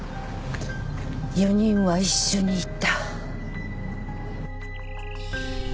４人は一緒にいた。